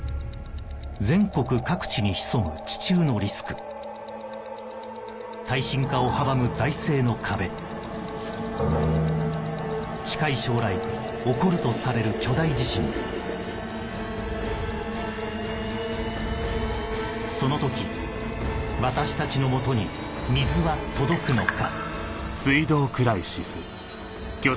全国各地に潜む地中のリスク耐震化を阻む財政の壁近い将来起こるとされる巨大地震その時私たちの元に水は届くのか